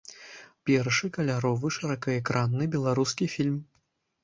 Першы каляровы шырокаэкранны беларускі фільм.